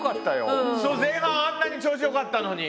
前半あんなに調子よかったのに。